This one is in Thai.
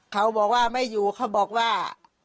เขาบอกว่าไม่อยู่เขาบอกว่า